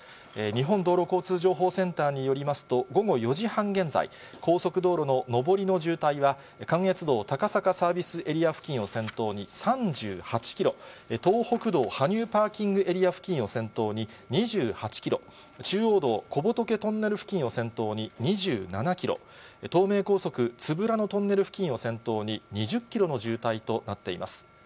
日本道路交通情報センターによりますと、午後４時半現在、高速道路の上りの渋滞は、関越道高坂サービスエリア付近を先頭に３８キロ、東北道羽生パーキングエリア付近を先頭に２８キロ、中央道小仏トンネル付近を先頭に２７キロ、東名高速都夫良野トンネル付近を先頭に２０キロの渋滞となっています。